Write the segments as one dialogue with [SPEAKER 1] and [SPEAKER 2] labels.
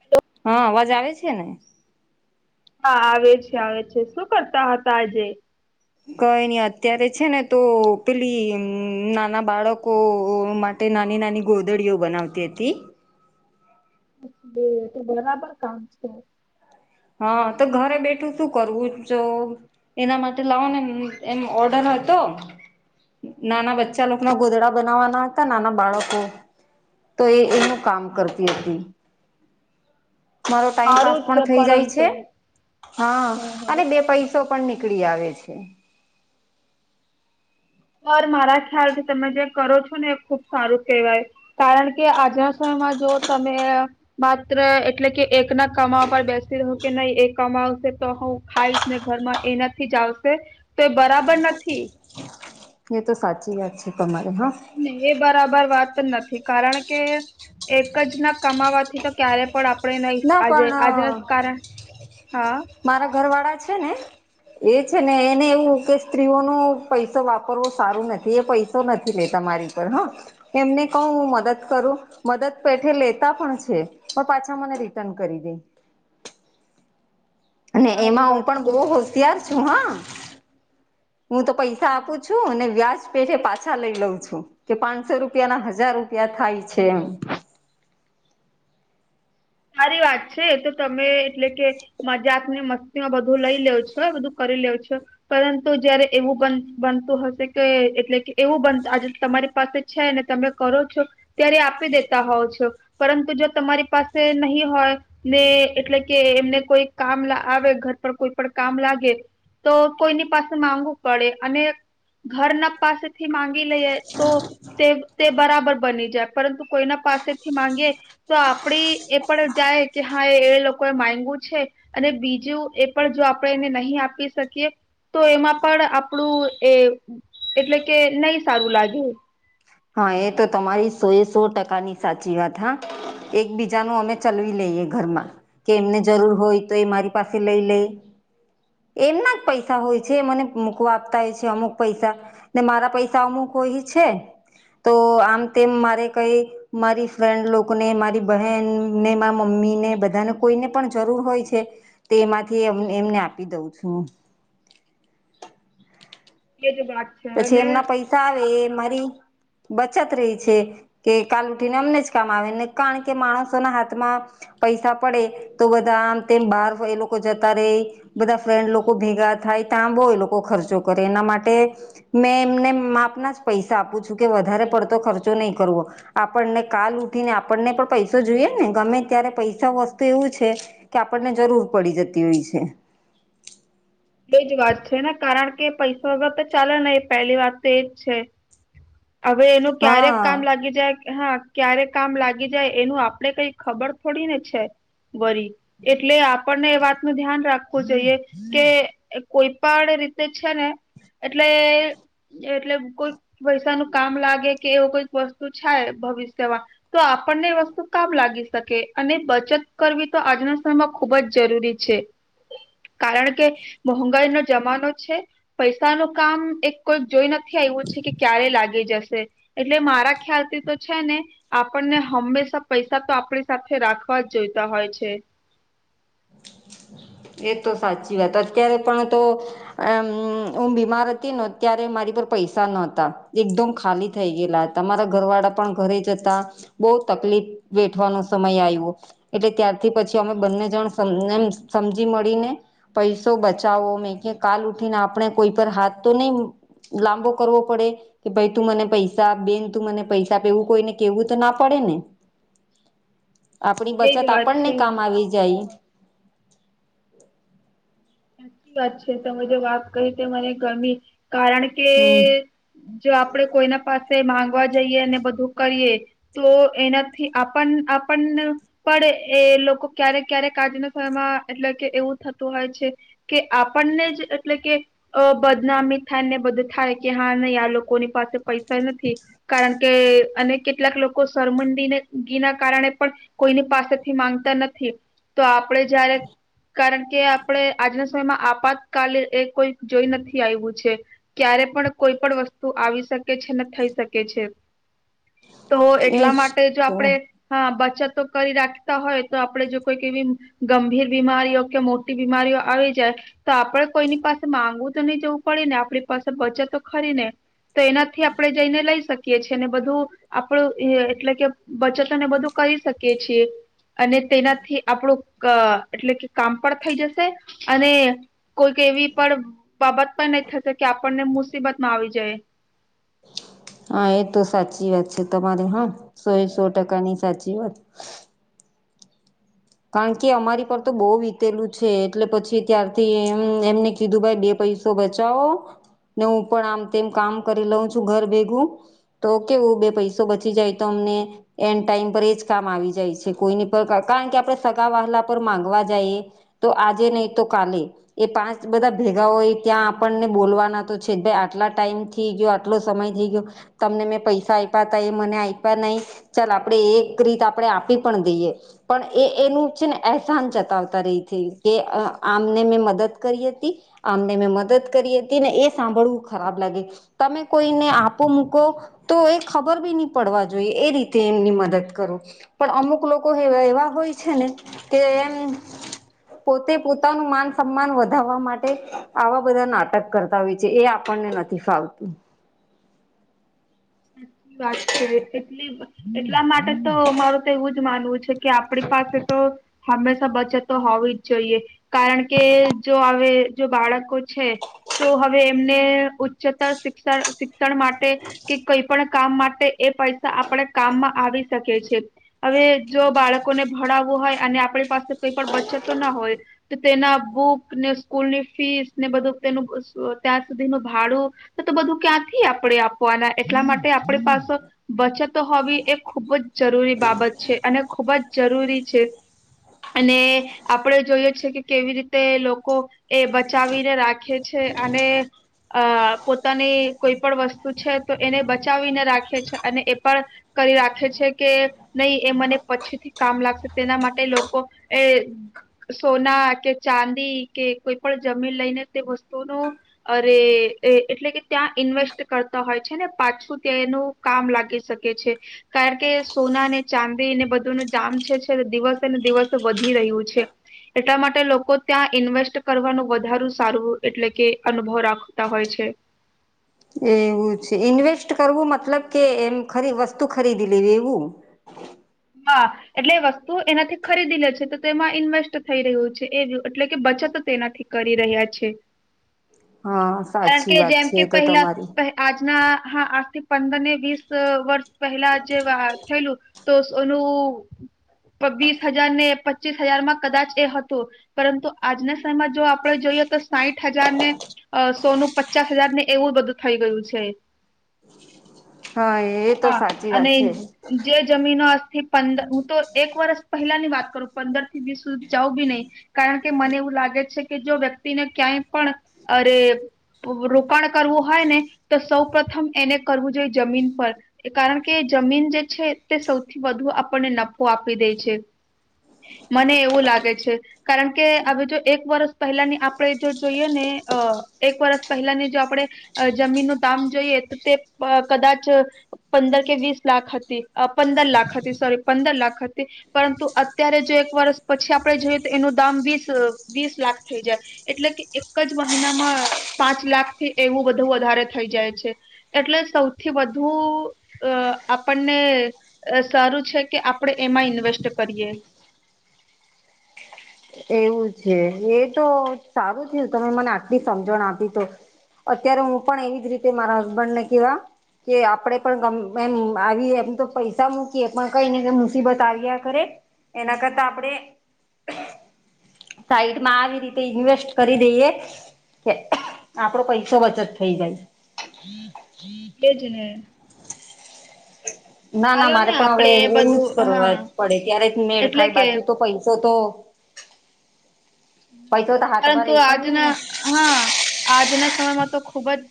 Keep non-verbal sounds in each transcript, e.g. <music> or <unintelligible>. [SPEAKER 1] હ <inaudible>
[SPEAKER 2] હા અવાજ આવે છે ને?
[SPEAKER 1] હા આવે છે આવે છે. શું કરતા હતા આજે?
[SPEAKER 2] કઈ નઈ અત્યારે છે ને તો પેલી નાના બાળકો મા તે નાની નાની ગોદડીઓ બનાવતી હતી.
[SPEAKER 1] બે તો બરાબર કામ છે.
[SPEAKER 2] હા તો ઘરે બેઠું શું કરવું જો. એના માટે લાવો ને એમ ઓર્ડર હતો. નાના બચ્ચા લોકો ના ગોદડા બનાવવાના નાના બાળકો તો એ એનું કામ કરતી હતી. મારો ટાઈમ પાાસ
[SPEAKER 1] સારું છે
[SPEAKER 2] પણ થઈ જાય છે
[SPEAKER 1] પરંતુ
[SPEAKER 2] હા અને બે પૈસો પણ નીકળી આવે છે.
[SPEAKER 1] યાર મારા ખ્યાલથી તમે જે કરો છો ને એ ખૂબ સારું કેવાય કારણકે <unintelligible> સ મજો તમે માત્ર એટલે કે એકના કમાવા પર બેસી રહો કે નઈ એ કમાવશે તો હું ખાઈશ ને ઘરમાં એનાથી જ આવશે તો એ બરાબર નથી.
[SPEAKER 2] એ તો સાચી વાત છે તમારે હા
[SPEAKER 1] ને એ બરાબર વાત નથી કારણકે એક જ ના કમાવાથી તો ક્યારે પણ આપ <unintelligible> નઈસ
[SPEAKER 2] ના
[SPEAKER 1] આજે આજનો
[SPEAKER 2] પણ
[SPEAKER 1] કારણ હા
[SPEAKER 2] મારા ઘરવાળા છે ને એ છે ને એને એવું કે સ્ત્રીઓનો પૈસો વાપરવો સારું નથી એ પૈસો નથી લેતા મારી તનો એમને કવ હું મદદ કરું મદદ પેઠે લેતા પણ છે પ પાછા મને રી તન કરી જય અને
[SPEAKER 1] સારી
[SPEAKER 2] એમાં હું
[SPEAKER 1] વાત
[SPEAKER 2] પણ
[SPEAKER 1] છે
[SPEAKER 2] બોવ હોશિયાર છું હા હું તો પૈસા આપું છું અને વ્યાસ પેઠે પાછા લઈ લવ છું કે પાનસો રૂપિયાના હજાર રૂપિયા થાય છે એમ
[SPEAKER 1] સારી વાત છે એ તો તમે એટલે કે મજાક ને મસ્તીમાં બધું લઈ લેવ છો બધું કરી લેવ છો પરંતુ જયારે એવું બન બનતું હશે કે એટલે કે એવું બન્ત આજે તમારી પાસે છે ને તમે કરો છો ત્યારે આપી દેતા હોવ છો પરંતુ જો તમારી પાસ તે નહીં હોય ને એટલે કે એમને કોઈ કામ લા આવે ઘર પર કોઈ પણ કામ લાગે તો કોઈની પાસે માંગુ પડે અને ઘરના પાસે થી માંગી લઈએ તો તે તે બરાબર બનીજા પરંતુ કોઈના પાસેથી માંગીએ તો આપડી એ પણ જાએ કે હા એ એ લોકો એ માંયગુ છે. અને બીજું એ પણ જો આપણે એને નહીં આપી શકીએ તો એમાં પણ આપણું એ એટલે કે નઈ સારું લાગ્યું
[SPEAKER 2] હા એ તો તમારી સો એ સો ટકાની સાચી વાત હા એકબીજાનું અમે ચલવી લઈએ ઘરમાં કે એમને જરૂર હોય તો એ મારી પાસે લઈ લે એમના જ પૈસા હોય છે મને મુકવા આપતા હોય છે અમુક પૈસા ને મારા પૈસા અમુક હોહી છે તો આમ તેમ મારે કંઈ મારી ફ્રેન્ડ લોકોને મારી બહેનને માર મમ્મીને બધાને કોઈને પણ જરૂર હોય છે તેમાંથી એમ એમને આપી દવ છું.
[SPEAKER 1] એ જ <unintelligible>
[SPEAKER 2] પછી એમના પૈસા આવે એ મારી બચત રઈ છે કે કાલ ઊઠીને અમને જ કામ આવેને કાણ કે માણસોના હાથમાં પૈસા પડે તો બધા આમ તેમ <unintelligible> એ લોકો જતા રેય બધા ફ્રેન્ડ લોકો ભેગા થાય તા બોવ એ લોકો ખર્ચો કરે એના માટે મેં એમને માપના જ પૈસા આપું છું કે વધારે પડતો ખર્ચો નઈ કરવો આપણને કાલ ઊઠીને આપણને પણ પૈસો જોઈએ ને ગમે ત્યારે પૈસા વસ્તું એવું છે કે આપણને જરૂર પડી જતી હોય છે.
[SPEAKER 1] એ જ વાત છે ને કારણકે પૈસો <unintelligible> તો ચાલે નઈ એ પહેલી વાત તો એ જ છે. હવે એનું ક્યારેક
[SPEAKER 2] હા
[SPEAKER 1] કામ લાગી જાય હા ક્યારે કામ લાગી જાય એનું આપડે કઈ ખબર થોડીને છે વરી એટલે આપણને એ વાત ન ધ્યાન રાખવું જોઈએ કે એ કોઈ પણ રીતે છે ને એટલે એટલે કોઈક પૈસા નું કામ લાગે કે એવું કોઈક વસ્તુ થાય ભવિષ્યમાં તો આપણને એ વસ્તુ કામ લાગી શકે અને બચત કરવી તો આજના સમયમાં ખુબ જ જરૂરી છે
[SPEAKER 2] <inaudible>
[SPEAKER 1] કારણ કે મોંઘાઈ નો જમાનો છે પૈસા નું કામ એક કોઈ જોઈ નથી થી આવું છે કે ક્યારે લાગી જશે એટલે મારા ખ્યાલ થી તો છે ને આપણને હંમેશા પૈસા તો આપણી સાથે રાખવા જ જોઈતા હોય છે
[SPEAKER 2] એ તો સાચી વાત અત્યારે પણ તો અ હું બીમાર હતી ને ત્યારે મારી પર પૈસા નોતા એકદમ ખાલી થઈ ગયેલા તમારા ઘર વાળા પણ ઘરે જતા બહ તકલીફ વેઠવાનો સમય આવ્યો ત્યારથી પછી અમે બંને સમજી મળીને પૈસો બચાવો મેં કે કાલ ઉઠીને આપણે કોઈ પર હાથ તો નહી લાંબો કરવો પડે કે ભાઈ તું મને પૈસા બેન તું મને પૈસા આપ એવું કોઈને કેવું તો ના પડે ને આપણી બચત
[SPEAKER 1] એજ વાત
[SPEAKER 2] આપણને
[SPEAKER 1] છે ને
[SPEAKER 2] કામ આવી જાય
[SPEAKER 1] સાચી વાત છે તમે જો વાત કહી તે મને ગમી કારણ કે
[SPEAKER 2] હમ <inaudible>
[SPEAKER 1] જો આપડે કોઈના પાસે માંગવા જઈએ અને બધું કરીએ તો એનાથી આપણ આપણ પણ એ લોકો ક્યારેક ક્યારેક આજના સમયમાં એટલે કે એવું થતું હોય છે કે આપણને જ એટલે કે અ બદનામી થાય ને બધું થાય કે હા નહી આ લોકોની પાસે પૈસા નથી કારણ કે અને કેટલાક લોકો સરમંદડગી ના કારણે પણ કોઈની પાસેથી માંગતા નથી તો આપણે જ્યારે કારણ કે આપણે આજના સમયમાં આપાતકાલે એ કોઈ જોઈ નથી આવ્યું છે ક્યારે પણ કોઈ પણ વસ્તુ આવી શકે છે ને થઈ શકે છે તો એટલા
[SPEAKER 2] એજ
[SPEAKER 1] માટે જો
[SPEAKER 2] તો
[SPEAKER 1] આપડે હા બચત કરી રાખતા હોય તો આપડે જો કોઈક એવી ગંભીર બીમારીઓ કે મોટી બીમારીઓ આવી જાય તો આપડ કોઈની પાસે માંગવું તો નહી જવું પડે ને આપણી પાસે બચત ખરી ને તો એનાથી આપણે જઈને લઈ શકીએ છીએ ને બધું આપણું એટલે કે બચત ને બધું કરીહી શકીએ છીએ અને તેનાથી આપણું એટલે કે કામ પણ થઈ જશે અને કોઈક એવી પણ બાબત પણ નહી થશે કે આપણને મુસીબત માં આવી જાય
[SPEAKER 2] હા એ તો સાચી વાત છે તમારે હા સોયેસો ટકાની સાચી વાત કારણ કે અમારી પર તો
[SPEAKER 1] હમ
[SPEAKER 2] બહુ વીતેલું છે એટલે પછી ત્યારથી એમ એમને કીધું કે બે પૈસો બચાવો ને હું પણ આમ તેમ કામ કરી લઉં છું ઘર ભેગું તો કેવું બે પૈસો બચી જાય તો અમને એન્ડ ટાઈમ પર એ જ કામ આવી જાય છે કોઈની પર કારણ કે આપડ સગા વાહલા પર માંગવા જઈ તો આજે નહી તો કાલે એ પાંચ બધા ભેગાઓ એ ત્યાં આપણને બોલવાના તો છે ભાઈ આટલા ટાઈમ થઈ ગયો આટલો સમય થઈ ગયો તમને મેં પૈસા આપ્યા તા એ મને આપ્યા નહી ચાલ આપણે એક રીત આપી પણ દઈએ પણ એ એનું છે ને એહેસાન ચતાવતા રહી છે કે આમને મેં મદદ કરી હતી આમને મેં મદદ કરી હતી ને એ સાંભળવું ખરાબ લાગે તમે કોઈને આપો મૂકો તો એ ખબર બી નહી પડવા જોઈએ એ રીતે એમની મદદ કરો પણ અમુક લોકો હાવ એવા હોય છે ને કે એમ પોતે પોતાનું માન સમાન વધારવા માટે આવા બધા નાટક કરતા હોય છે એ આપણને નથી ફાવતું
[SPEAKER 1] સાચી વાત છે એટ એટલા માટે તો મારું તો એવું જ માનવું છે કે આપણી પાસે તો હંમેશા બચત હોવી જ જોઈએ કારણ કે જો હવે જો બાળકો છે તો હવે એમને ઉચ્ચતર શિક્ષણ શિક્ષણ માટે કે કઈ પણ કામ માટે એ પૈસા આપણે કામમાં આવી શકે છે હવે જો બાળકોને ભણાવવું હોય અને આપણી પાસે કોઈ પણ બચત તો ના હોય તો તેના બુક ને સ્કૂલની ફીસ ને બધું તેનું ત્યાં સુધીનું ભાડું તો તો બધું ક્યાંથી આપણે આપવાના એટલા માટે આપણે પાસ બચતો હોવી એ ખૂબ જ જરૂરી બાબત છે અને ખૂબ જ જરૂરી છે અને આપડે જોઈએ છે કે કેવી રીતે લોકો એ બચાવીને રાખે છે અને અ પોતાની કોઈ પણ વસ્તુ છે તો એને બચાવીને રાખે છે અને એ પણ કરી રાખે છે કે નહી એ મને પછીથી કામ લાગશે તેના માટે લોકો એ સોના કે ચાંદી કે કોઈ પણ જમીન લઈને તે વસ્તુ નુ અરે એટલે કે ત્યાં ઇન્વેસ્ટ કરતા હોય છે ને પાછું તેનું કામ લાગી શકે છે કારણ કે સોના અનેને ચાંદી ને બધુંનું જામ છે છે દિવસે ને દિવસે વધી રહ્યું છે એટલા માટે લોકો ત્યાં ઇન્વેસ્ટ કરવાનું વધારૂ સારું એટલે કે અનુભવ રાખતા હોય છે
[SPEAKER 2] એવું છે ઇન્વેસ્ટ કરવું મતલબ કે એમ ખરી વસ્તુ ખરીદી લેવી એવું
[SPEAKER 1] હા એટલે એ વસ્તુ એનાથી ખરીદી લે છે તો તે એમાં ઇન્વેસ્ટ થઈ રહ્યું છે એ એટલે કે બચત તેનાથી કરી રહ્યા છે
[SPEAKER 2] હા
[SPEAKER 1] કારણ
[SPEAKER 2] સાચી
[SPEAKER 1] કે
[SPEAKER 2] વાત
[SPEAKER 1] જેમ
[SPEAKER 2] છે
[SPEAKER 1] કે
[SPEAKER 2] એ તો
[SPEAKER 1] પહેલા
[SPEAKER 2] તમારી
[SPEAKER 1] પહે- આજના હા આજથી પંદર ને વીસ વર્ષ પહેલા જે થયેલું તો સોનું વીસ હજાર ને પચીસ હજાર માં કદાચ એ હતું પરંતુ આજના સમયમાં જો આપણે જોઈએ તો સાઈઠ હજાર ને અ સોનું પચાસ હજાર ને એવું બધું થઈ ગયું છે
[SPEAKER 2] હા એ તો
[SPEAKER 1] હા
[SPEAKER 2] સાચી વાત
[SPEAKER 1] અને
[SPEAKER 2] છે
[SPEAKER 1] જે જમીનો આજથી પંદર હું તો એક વર્ષ પહેલા ની વાત કરું પંદર થી વીસ સુધી જાઉં બી નહી કારણ કે મને એવું લાગે છે કે જો વ્યક્તિને ક્યાંય પણ અરે રોકાણ કરવું હોય ને તો સૌ પ્રથમ એને જોઈએ પર એ કારણ કે જમીન જે છે તે સૌથી વધુ આપણને નફો આપી દે છે, મને એવું લાગે છે, કારણ કે હવે જો એક વર્ષ પહેલાની આપણે જો જોઈએ ને અ એક વર્ષ પહેલાની જો આપણેે જમીનનું કામ જોઈએ તો તે કદાચ પંદર કે વીસ લાખ હતી પંદર લાખ હતી સોરી પંદર લખ હતી પરંતુ અત્યારે જો એક વર્ષ પછી આપણે જોઈએ તો એનું દામ વીસ વીસ લાખ થઈ જાય. એટલે કે એક જ મહિનામાં પાંચ લાખ થી એવું બધું વધારે થઈ જાય છે, એટલે સૌથી વધુ અ આપણને અ સારું છે કે આપડણે એમાં ઇન્વેસ્ટ કરીએ.
[SPEAKER 2] એવું છે એ તો સારું છે તમે મને આટલી સમજણ આપી તો, અત્યારે હું પણ એવી જ મારા ને કેવા, કે આપણેે પણ એમ આવી એમ તો પૈસા મૂકીએ એ પણ કઈને કઈ મુસીબત આવ્યા કરે, એના કરતાં આપણે, સાઈટ માં આવી રીતે ઇન્વેસ્ટ કરી દઈએ. કે આપડો પૈસો બચત થઈ જાય. <inaudible>
[SPEAKER 1] એજ ને,
[SPEAKER 2] ના ના
[SPEAKER 1] ચાલો ને
[SPEAKER 2] મારે પણ હવે
[SPEAKER 1] આપડે એ
[SPEAKER 2] એવું
[SPEAKER 1] બધું
[SPEAKER 2] જ
[SPEAKER 1] હા
[SPEAKER 2] કરવા જ પડે ત્યારે
[SPEAKER 1] એટલે
[SPEAKER 2] મેળખાય
[SPEAKER 1] કે
[SPEAKER 2] બાકી તો પૈસો તો, પૈસો તો હાથમાં
[SPEAKER 1] પરંતુ
[SPEAKER 2] રહી પણ નહી
[SPEAKER 1] આજના
[SPEAKER 2] ને
[SPEAKER 1] હા આજના સમયમાં તો ખુબ જ,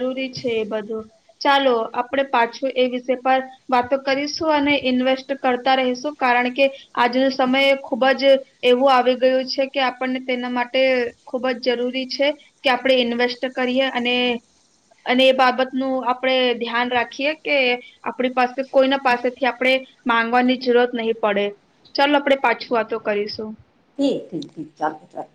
[SPEAKER 1] જરૂરી છે એ બધું ચાલો આપડે પાછું એ વિષય પર, વાતો કરીશું અને ઇન્વેસ્ટ કરતા રહીશું કારણ કે, આજનો સમય ખુબ જ એવું આવી ગયું છે, કે આપણને તેના માટે ખુબ જ જરૂરી છે, કે આપણે ઇન્વેસ્ટ કરીએ અને, અને એ બાબતનું આપડણે ધ્યાન રાખીએ કે, આપણી પાસે કોઈના પાસેથી આપણે માંગવાની જરૂરત નહી પડે. ચાલ આપડે પાછું વાતો કરીશું.
[SPEAKER 2] ઠીક ઠીક ચાલો ચાલો.